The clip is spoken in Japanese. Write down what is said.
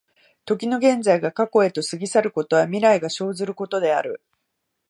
時の現在が過去へと過ぎ去ることは、未来が生ずることである。